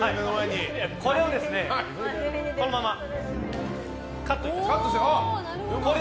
これを、このままカットします。